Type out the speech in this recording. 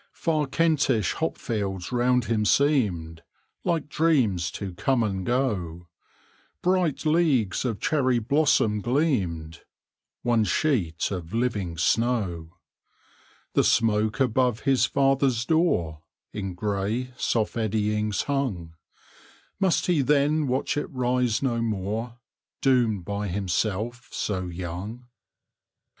Far Kentish hopfields round him seemed Like dreams to come and go; Bright leagues of cherry blossom gleamed One sheet of living snow: The smoke above his father's door In gray, soft eddyings hung: Must he then watch it rise no more, Doomed by himself, so young?